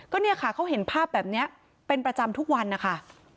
ก็เนี่ยค่ะเขาเห็นภาพแบบนี้เป็นประจำทุกวันนะคะ